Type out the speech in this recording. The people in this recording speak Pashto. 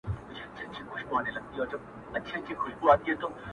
ذره غوندي وجود یې د اټوم زور شرمولی؛